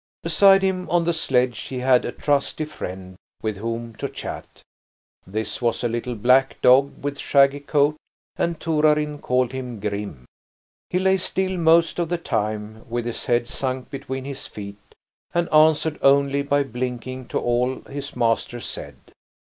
Beside him on the sledge he had a trusty friend with whom to chat. This was a little black dog with shaggy coat, and Torarin called him Grim. He lay still most of the time, with his head sunk between his feet, and answered only by blinking to all his master said.